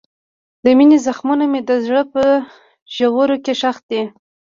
د مینې زخمونه مې د زړه په ژورو کې ښخ دي.